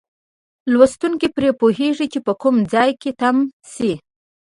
لوستونکی پرې پوهیږي چې په کوم ځای کې تم شي.